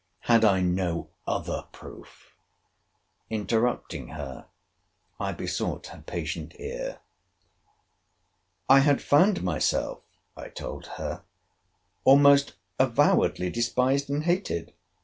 Had I no other proof—— Interrupting her, I besought her patient ear. 'I had found myself, I told her, almost avowedly despised and hated.